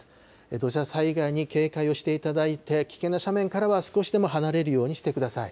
土砂災害に警戒をしていただいて、危険な斜面からは、少しでも離れるようにしてください。